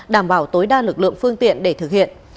đảm bảo tối đa lực lượng phương tiện để thực hiện